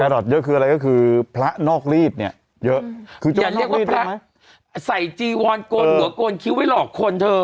เยอะคืออะไรก็คือพระนอกรีดเนี่ยเยอะคือจะเรียกว่าพระใส่จีวอนโกนหัวโกนคิ้วไว้หลอกคนเธอ